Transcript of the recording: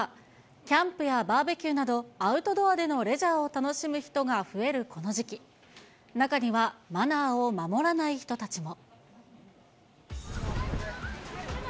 キャンプやバーベキューなど、アウトドアでのレジャーを楽しむ人が増えるこの時期、中にはマナーを守らない人たちも。